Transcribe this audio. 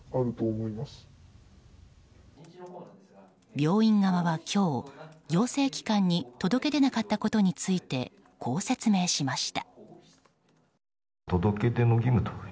病院側は今日、行政機関に届け出なかったことについてこう説明しました。